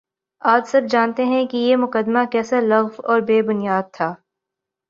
آج سب جانتے ہیں کہ یہ مقدمہ کیسا لغو اور بے بنیادتھا